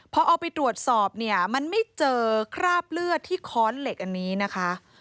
พอเอาไปตรวจสอบเนี่ยมันไม่เจอคราบเลือดที่ค้อนเหล็กอันนี้นะคะ